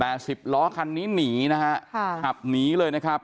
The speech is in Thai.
แต่สิบล้อคันนี้หนีนะฮะค่ะขับหนีเลยนะครับ